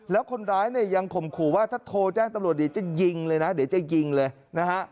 แล้วคนร้ายเนี่ยยังข่มขู่ว่าถ้าโทรแจ้งตำรวจเดี๋ยวจะยิงเลยนะเดี๋ยวจะยิงเลยนะฮะ